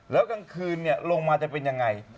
แล้วกลางคืนลงมาจะเป็นยังไง